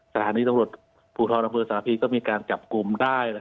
สถานีสำรวจภูทธอลอังคฤษศาลพีก็มีการจับกลุ่มได้